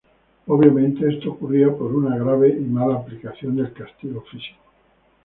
Obviamente esto ocurría por una grave y mala aplicación del castigo físico.